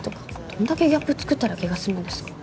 「どんだけギャップ作ったら気が済むんですか」